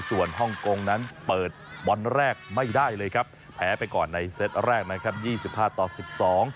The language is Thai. ส่วนฮ่องกงนั้นเปิดบอนแรกไม่ได้เลยครับแพ้ไปก่อนในเซตแรกนะครับ๒๕๑๒